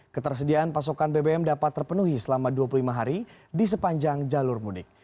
ketersediaan pasokan bbm dapat terpenuhi selama dua puluh lima hari di sepanjang jalur mudik